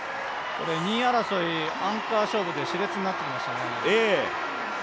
２位争いアンカー勝負でし烈になってきましたね。